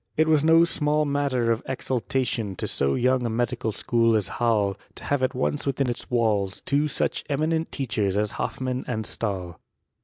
It was no small matter of exultation to so young a medical school Halle, to have at once within its walls two such en nent teachers as Hoffmann and Stahl.